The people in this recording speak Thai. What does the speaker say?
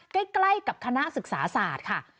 ใกล้กับคณะศึกษาศาสตร์ค่ะ